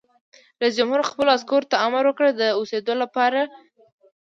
رئیس جمهور خپلو عسکرو ته امر وکړ؛ د اوسېدو لپاره بارکونه جوړ کړئ!